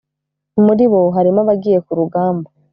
muri bo harimo abagiye kurugamba